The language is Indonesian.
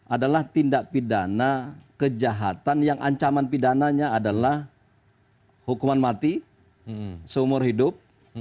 adalah tindak pidana kejahatan yang ancaman pidananya adalah hukuman mati seumur hidup